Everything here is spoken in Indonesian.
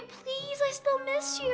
tolong aku masih rindu kamu